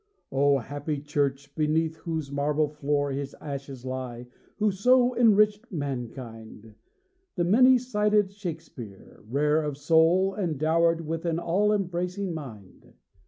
O happy church, beneath whose marble floor His ashes lie who so enriched mankind; The many sided Shakespeare, rare of soul, And dowered with an all embracing mind.